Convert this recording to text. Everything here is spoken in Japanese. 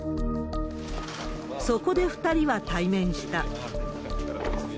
そこで２人は対面した。